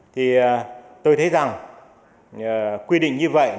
thì tôi thấy rằng quy định như vậy